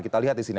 kita lihat di sini